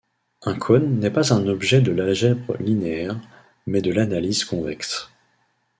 Un cône n'est pas un objet de l'algèbre linéaire, mais de l'analyse convexe.